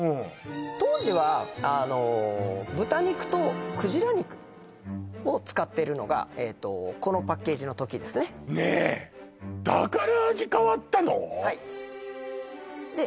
当時は豚肉とくじら肉を使ってるのがこのパッケージの時ですねねえだから味変わったの？